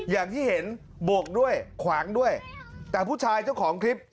อย่างที่เห็นบวกด้วยขวางด้วยแต่ผู้ชายเจ้าของคลิป